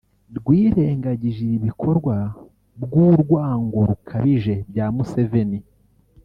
rwirengagije ibi bikorwa bw’urwango rukabije bya Museveni